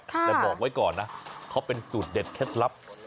แต่บอกไว้ก่อนนะเขาเป็นสูตรเด็ดเคล็ดลับ